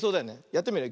やってみるよ。